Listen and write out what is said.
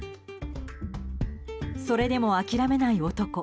それでも諦めない男。